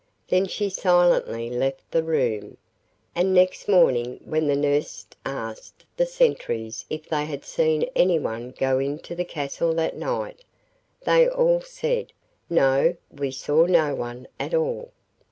Then she silently left the room, and next morning when the nurse asked the sentries if they had seen any one go into the castle that night, they all said, 'No, we saw no one at all.